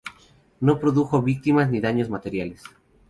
No produjo víctimas ni daños materiales.